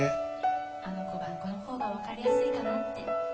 あの子がこの方がわかりやすいかなって